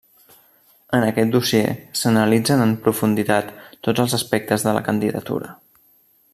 En aquest dossier, s'analitzen en profunditat tots els aspectes de la candidatura.